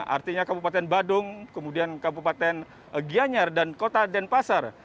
artinya kabupaten badung kemudian kabupaten gianyar dan kota denpasar